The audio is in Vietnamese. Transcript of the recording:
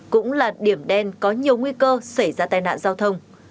cũng là điểm đen có nhiều nguy cơ xảy ra tai nạn giao thông